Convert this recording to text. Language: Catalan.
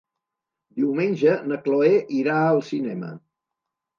Diumenge na Chloé irà al cinema.